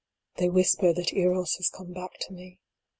They whisper that Eros has come back to me.